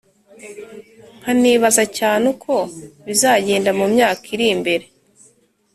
Nkanibaza cyane uko bizagenda mumyaka iri imbere